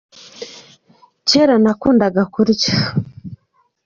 kera nakundaga kurya